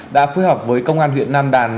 đã phối hợp với công an huyện nam đàn